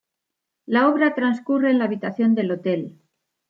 La obra transcurre en la habitación del hotel.